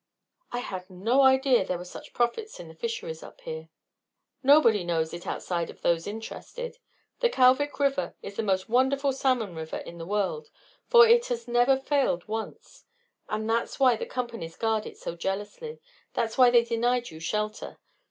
"I had no idea there were such profits in the fisheries up here." "Nobody knows it outside of those interested. The Kalvik River is the most wonderful salmon river in the world, for it has never failed once; that's why the Companies guard it so jealously; that's why they denied you shelter.